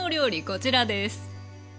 こちらです。